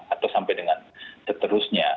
atau sampai dengan seterusnya